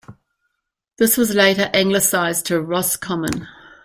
This was later anglicised to Roscommon.